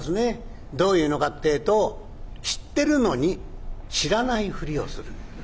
どういうのかってぇと知ってるのに知らないふりをする。